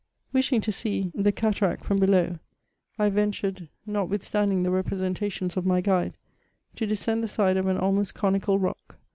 Wishing to see the cataract from below, I ventured, notwithstanding the representa tions of my guide, to descend the side of an almost conical rock.